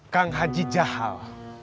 kang haji jahal